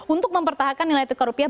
untuk mempertahankan nilai tukar rupiah